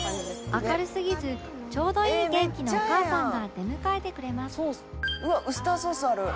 明るすぎずちょうどいい元気のお母さんが出迎えてくれます